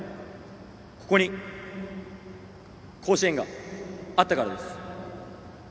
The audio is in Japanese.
ここに甲子園があったからです。